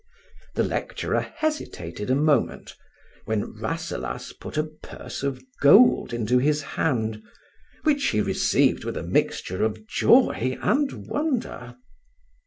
The lecturer hesitated a moment, when Rasselas put a purse of gold into his hand, which he received with a mixture of joy and wonder.